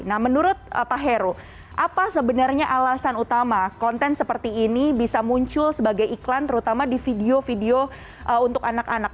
nah menurut pak heru apa sebenarnya alasan utama konten seperti ini bisa muncul sebagai iklan terutama di video video untuk anak anak